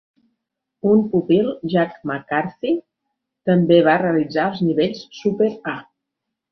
Un pupil, Jack McCarthy, també va realitzar els nivells super-A.